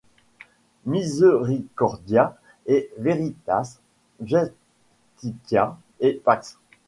Misericordia et veritas, jvstitia et pax.